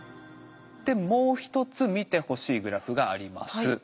もう一つ見てほしいグラフがあります。